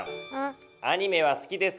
アニメは好きですか？